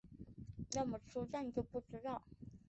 要怎么出站就不知道